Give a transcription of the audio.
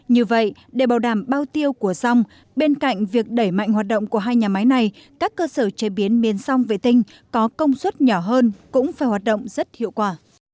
như vậy để bảo đảm bao tiêu của rong bên cạnh việc đẩy mạnh hoạt động của hai nhà máy này các cơ sở chế biến miên song vệ tinh có công suất nhỏ hơn cũng phải hoạt động rất hiệu quả